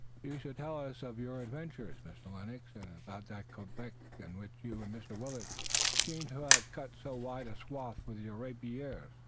You shall tell us of your adventures, Mr. Lennox, and about that Quebec in which you and Mr. Willet seem to have cut so wide a swath with your rapiers."